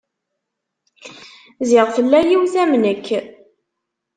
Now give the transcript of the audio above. Ziɣ tella yiwet am nekk.